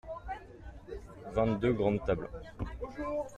Vingt-deux grandes tables.